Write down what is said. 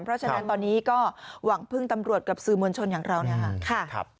เพราะฉะนั้นตอนนี้ก็หวังพึ่งตำรวจกับสื่อมวลชนอย่างเรานะครับ